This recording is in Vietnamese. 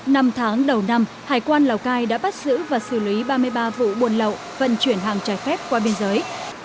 năm tháng đầu năm hải quan lào cai đã bắt giữ và xử lý ba mươi ba vụ buôn lậu vận chuyển hàng trải phép qua biên giới